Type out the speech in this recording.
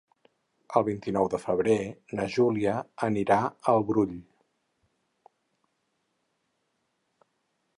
El vint-i-nou de febrer na Júlia anirà al Brull.